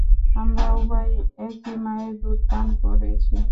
আমরা উভয়ই একই মায়ের দুধ পান করেছি।